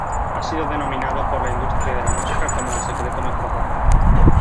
Ha sido denominado por "la industria de la música" como "el secreto mejor guardado".